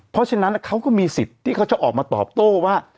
เพราะฉะนั้นเขาก็มีสิทธิ์ที่เขาจะออกมาตอบโต้ว่า